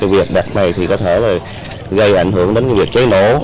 việc đặt này có thể gây ảnh hưởng đến việc chế nổ